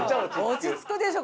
落ち着くでしょ